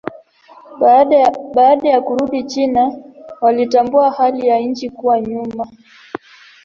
Baada ya kurudi China alitambua hali ya nchi kuwa nyuma.